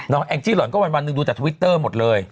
น้องแองจี้หล่อนก็วันนึงดูแต่ทวิตเตอร์หมดเลย